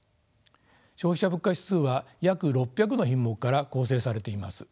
消費者物価指数は約６００の品目から構成されています。